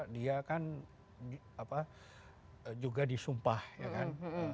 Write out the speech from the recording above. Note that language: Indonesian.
dia kan juga disumpah ya kan